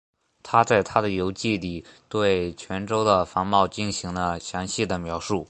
他在他的游记里对泉州的繁华进行了详细的描述。